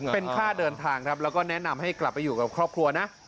เป็นข้าดเดินทางและแนะนำให้กลับไปอยู่แล้วครอบครัวนะ